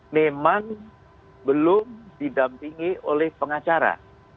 memang belum didampingi oleh pengacara